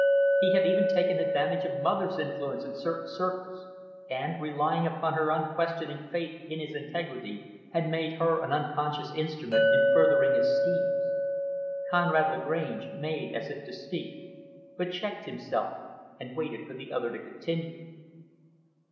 He had even taken advantage of mother's influence in certain circles, and, relying upon her unquestioning faith in his integrity, had made her an unconscious instrument in furthering his schemes." Conrad Lagrange made as if to speak, but checked himself and waited for the other to continue.